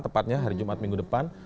tepatnya hari jumat minggu depan